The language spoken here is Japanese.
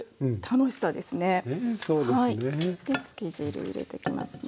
でつけ汁入れてきますね。